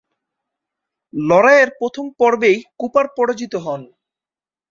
লড়াইয়ের প্রথম পর্বেই কুপার পরাজিত হন।